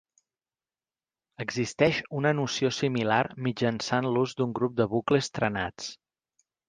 Existeix una noció similar mitjançant l'ús d'un grup de bucles trenats.